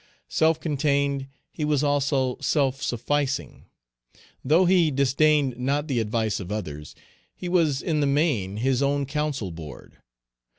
Self contained, he was also self sufficing. Though he disdained not the advice of others, he was in the main his own council board.